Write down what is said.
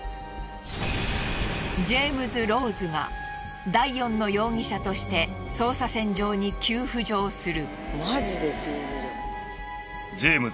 ジョームズ・ローズが第４の容疑者として捜査線上に急浮上する。